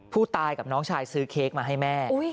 ผู้ตายกับน้องชายซื้อเค้กมาให้แม่